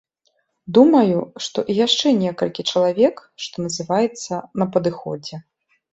Думаю, што і яшчэ некалькі чалавек, што называецца, на падыходзе.